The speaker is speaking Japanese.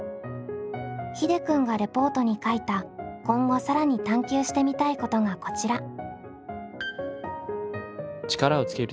ひでくんがレポートに書いた今後更に探究してみたいことがこちら。